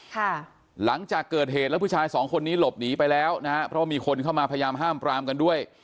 หลังจากเกิดเหตุแล้วผู้ชายสองคนนี้หลบหนีไปแล้วนะฮะเพราะว่ามีคนเข้ามาพยายามห้ามปรามกันด้วย